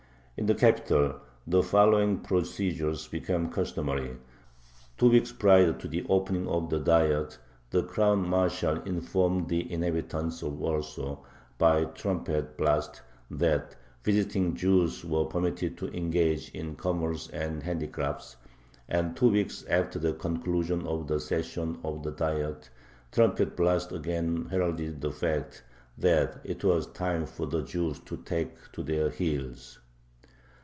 In the capital the following procedure became customary: two weeks prior to the opening of the Diet the Crown Marshal informed the inhabitants of Warsaw by trumpet blasts that visiting Jews were permitted to engage in commerce and handicrafts, and two weeks after the conclusion of the session of the Diet trumpet blasts again heralded the fact that it was time for the Jews to take to their heels.